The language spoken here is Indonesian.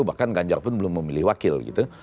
bahkan ganjar pun belum memilih wakil gitu